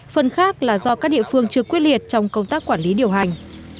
phần khác là do các địa phương chưa quyết liệt trong công tác quản lý điều hành